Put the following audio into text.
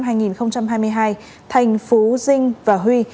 thành phú dinh và huy